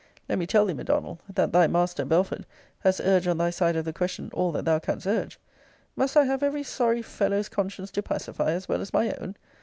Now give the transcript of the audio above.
Let me tell thee, M'Donald, that thy master, Belford, has urged on thy side of the question all that thou canst urge. Must I have every sorry fellow's conscience to pacify, as well as my own?